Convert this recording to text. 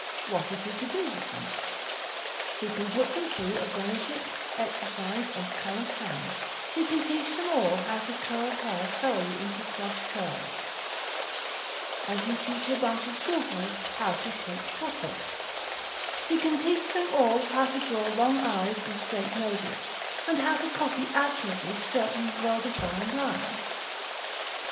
What is he to do with them? He can put them through a granitic exercise of current hand; he can teach them all how to curl hair thoroughly into croche coeurs, as you teach a bench of school boys how to shape pothooks; he can teach them all how to draw long eyes and straight noses, and how to copy accurately certain well defined lines.